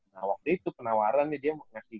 nah waktu itu penawarannya dia ngasih